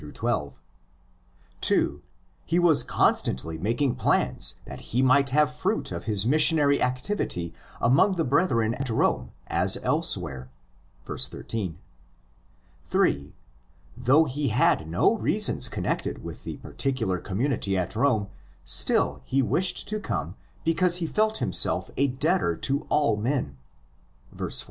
(2) He was constantly making plans that he might have fruit of his missionary activity among the brethren at Rome as elsewhere (verse 13). (8) Though he had no reasons connected with the particular community at Rome, still he wished to come because he felt himself a debtor to all men (verse 14).